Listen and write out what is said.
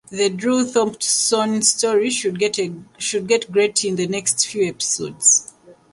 The Drew Thompson story should get great in the next few episodes.